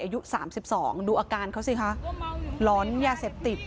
รู้หรือไม่เข้าใจ